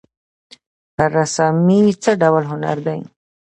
رسامي څه ډول هنر دی؟